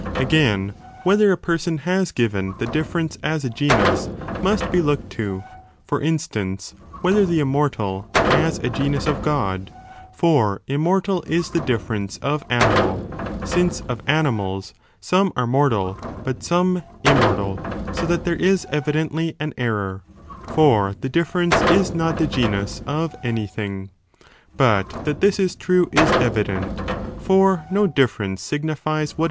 ee Again, whether a person has given the differ difference has ence, 88 ἃ genus, must be (looked to) ; for instance, oe ea whether the immortal, as a genus of God, for im ' mortal, is the difference of animal, since of animals, some are mortal, but some immortal, so that there is evidently an error, for the difference, is not the genus, of any thing. But that this is true is evident, for no difference signifies what